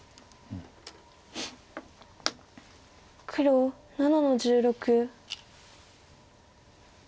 黒７の十六。